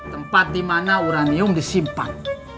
tempat dimana uranium disimpan